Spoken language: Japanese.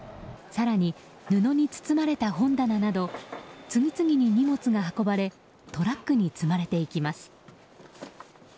更に布に包まれた本棚など次々に荷物が運ばれトラックに積まれていきます。